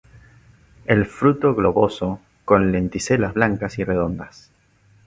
El fruto globoso, con lenticelas blancas y redondas.